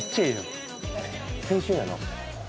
青春やな。